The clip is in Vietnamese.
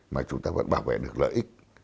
mà chúng ta vẫn bảo vệ được lợi ích